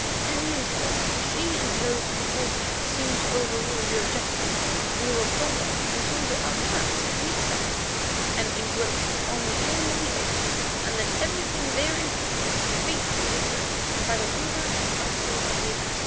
In the end, however, she and those who supported her seemed to overrule the objectors, and we were called up and told that our terms had been accepted and engrossed upon the form of the oath, and that everything there included would be faithfully observed by the Ruler and Council of the Abati.